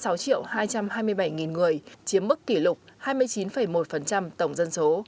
tổng dân số tăng hai mươi bảy người chiếm mức kỷ lục hai mươi chín một tổng dân số